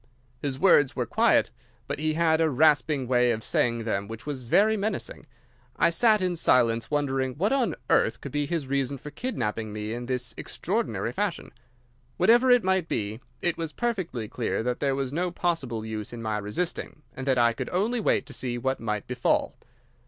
"His words were quiet, but he had a rasping way of saying them which was very menacing. I sat in silence wondering what on earth could be his reason for kidnapping me in this extraordinary fashion. Whatever it might be, it was perfectly clear that there was no possible use in my resisting, and that I could only wait to see what might befall.